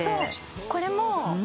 これも。